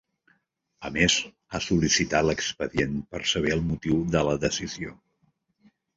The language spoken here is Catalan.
A més, ha sol·licitat l’expedient per saber el motiu de la decisió.